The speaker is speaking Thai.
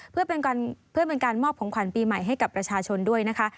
เพื่อเป็นการมอบของขวัญปีใหม่ให้กับประชาชนด้วยนะคะ